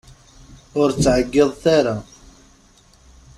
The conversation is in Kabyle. Ur ttɛeggiḍet ara!